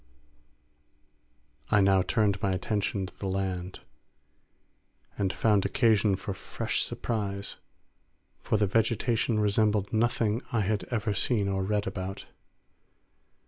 I now turned my attention to the land, and found occasion for fresh surprise; for the vegetation resembled nothing I had ever seen or read about.